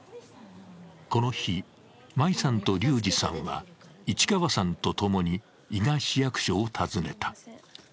この日、舞さんと龍志さんは市川さんと共に伊賀市役所を訪ねた。